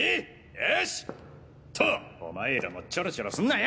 よしとお前らもチョロチョロすんなよ！